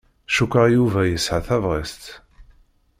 Cukkeɣ Yuba yesɛa tabɣest.